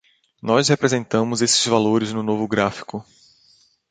Nós representamos esses valores no novo gráfico.